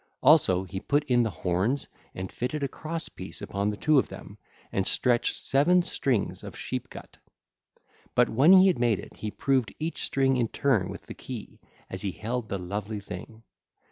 Also he put in the horns and fitted a cross piece upon the two of them, and stretched seven strings of sheep gut. But when he had made it he proved each string in turn with the key, as he held the lovely thing.